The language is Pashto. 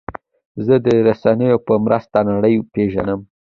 زه د رسنیو په مرسته نړۍ پېژنم.